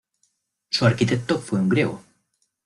Su arquitecto fue un griego.